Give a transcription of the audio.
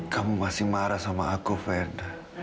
kamu masih marah sama aku verda